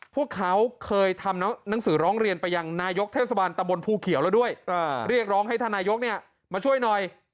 พวกเขาเคยทำหนังสือร้องเรียนไปยังนายกเทศบาลตะบนภูเขียวแล้วด้วยเรียกร้องให้ท่านนายกมาช่วยหน่อย